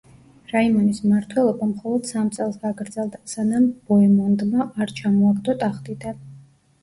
რაიმონის მმართველობა მხოლოდ სამ წელს გაგრძელდა, სანამ ბოემონდმა არ ჩამოაგდო ტახტიდან.